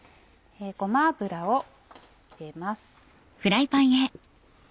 ごま油を入れます。